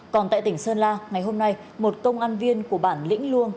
còn tại tỉnh sơn la ngày hôm nay một công an viên của bản lĩnh luông